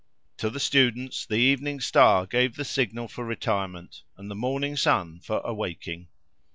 To the students, the evening star gave the signal for retirement, and the morning sun for awaking.